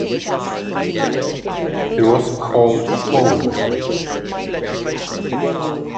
It was called Holt.